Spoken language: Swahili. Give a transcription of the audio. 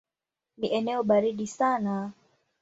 Ni eneo baridi sana.